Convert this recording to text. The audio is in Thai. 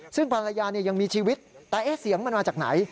ซึ่งภรรยายังมีชีวิตแต่เสียงมันมาจากไหน